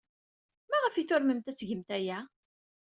Maɣef ay turmemt ad tgemt aya?